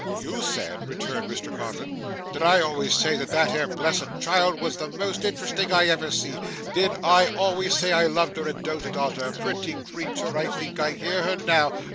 'YOU said!' returned Mr Codlin. 'Did I always say that that 'ere blessed child was the most interesting I ever see? Did I always say I loved her, and doated on her? Pretty creetur, I think I hear her now.